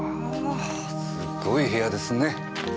すっごい部屋ですね。